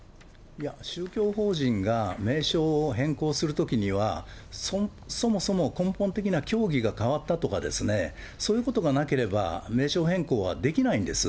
宗教法人が名称を変更するときには、そもそも根本的な教義が変わったとか、そういうことがなければ、名称変更はできないんです。